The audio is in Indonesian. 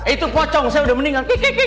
itu pocong saya udah meninggal